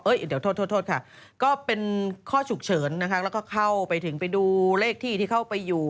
เดี๋ยวโทษโทษค่ะก็เป็นข้อฉุกเฉินนะคะแล้วก็เข้าไปถึงไปดูเลขที่ที่เข้าไปอยู่